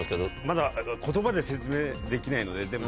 まだ言葉で説明できないのででも。